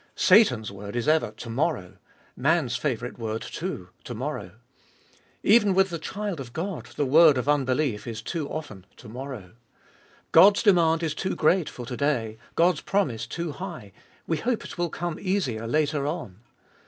Satan's word is ever To morrow, man's favourite word, too, To morrow. Even with the child of God the word of unbelief is too often To morrow ; God's demand is too great for to day ; God's promise too high ; we hope it will come easier later on.